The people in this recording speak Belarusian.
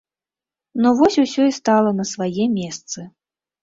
Ну вось усё і стала на свае месцы.